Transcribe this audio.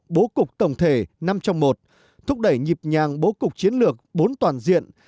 bố cục tổng thể năm trong một thúc đẩy nhịp nhàng bố cục chiến lược bốn toàn diện